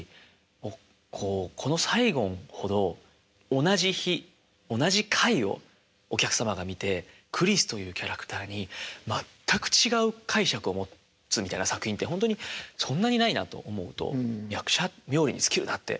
もうこの「サイゴン」ほど同じ日同じ回をお客様が見てクリスというキャラクターに全く違う解釈を持つみたいな作品ってほんとにそんなにないなと思うと役者冥利に尽きるなって。